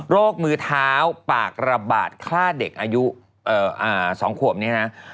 มือเท้าปากระบาดฆ่าเด็กอายุ๒ขวบนี้นะ